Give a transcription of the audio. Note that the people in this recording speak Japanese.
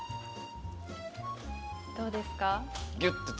どうですか？